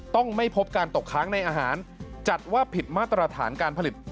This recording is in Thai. ต้องไม่พบการตกค้างในอาหารจัดว่าผิดมาตรฐานการผลิต